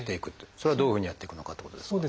それはどういうふうにやっていくのかっていうことですが。